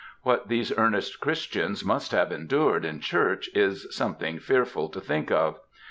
What AMERICAN WOMEN 289 these earnest Christians must have endured in church is something fearful to think of.